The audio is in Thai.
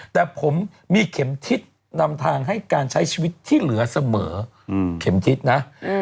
แต่ผมมีเข็มทิศนำทางให้การใช้ชีวิตที่เหลือเสมอเข็มทิศนะ